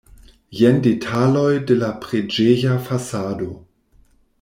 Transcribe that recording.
Jen detaloj de la preĝeja fasado.